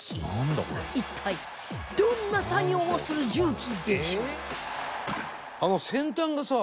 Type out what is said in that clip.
一体どんな作業をする重機でしょう？